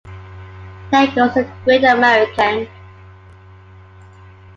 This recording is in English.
There goes a great American.